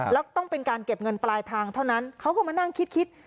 แล้วต้องเป็นการเก็บเงินปลายทางเท่านั้นเขาก็มานั่งคิด